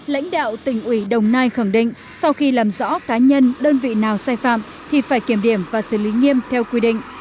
lãnh đạo tỉnh ủy đồng nai khẳng định sau khi làm rõ cá nhân đơn vị nào sai phạm thì phải kiểm điểm và xử lý nghiêm theo quy định